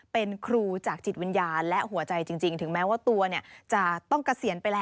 โปรดติดตามตอนต่อไป